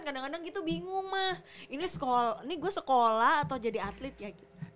kadang kadang gitu bingung mas ini gue sekolah atau jadi atlet ya